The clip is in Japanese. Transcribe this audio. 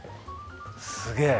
すげえ。